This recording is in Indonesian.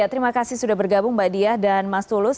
terima kasih sudah bergabung mbak diah dan mas tulus